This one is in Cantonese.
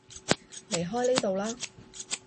離開呢度啦